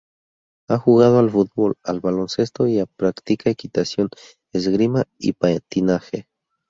Ha jugado al fútbol, al baloncesto y practica equitación, esgrima y patinaje.